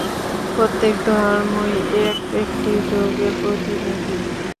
প্রত্যেক ধর্মই এক-একটি যোগের প্রতিনিধি।